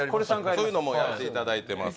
そういうのもやっていただいてます